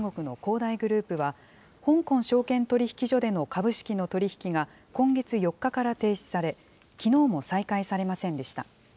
大グループは、香港証券取引所での株式の取り引きが今月４日から停止され、きのうも再開されませんでした。